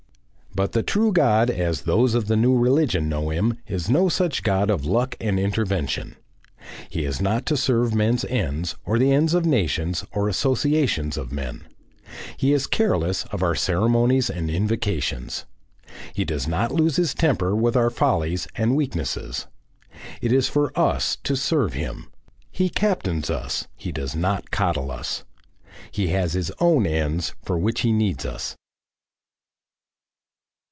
But the true God as those of the new religion know him is no such God of luck and intervention. He is not to serve men's ends or the ends of nations or associations of men; he is careless of our ceremonies and invocations. He does not lose his temper with our follies and weaknesses. It is for us to serve Him. He captains us, he does not coddle us. He has his own ends for which he needs us.